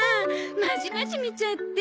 まじまじ見ちゃって。